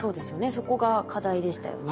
そこが課題でしたよね。